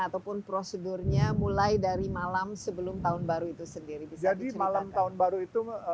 ataupun prosedurnya mulai dari malam sebelum tahun baru itu sendiri malam tahun baru itu